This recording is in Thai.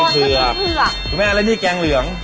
เผือกคุณแม่แล้วนี่แกงเหลือง